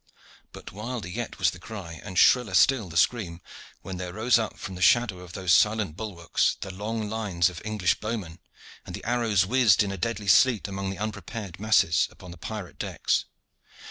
But wilder yet was the cry, and shriller still the scream, when there rose up from the shadow of those silent bulwarks the long lines of the English bowmen, and the arrows whizzed in a deadly sleet among the unprepared masses upon the pirate decks.